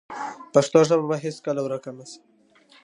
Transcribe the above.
پښتو ژبه به هیڅکله ورکه نه شي.